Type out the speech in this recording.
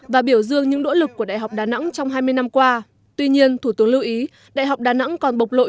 và biểu dương những nỗ lực của đại học đà nẵng trong hai mươi năm qua tuy nhiên thủ tướng lưu ý đại học đà nẵng còn bộc lội